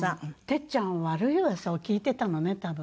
てっちゃん悪い噂を聞いてたのね多分。